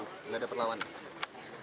enggak ada perlawanan